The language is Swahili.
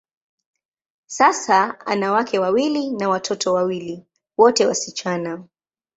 Sasa, ana wake wawili na watoto wawili, wote wasichana.